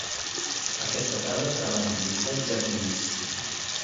Aquesta tarda treballen disset jardiners.